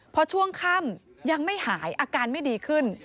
พอช่วงค่ำยังไม่หายอาการไม่ดีขึ้น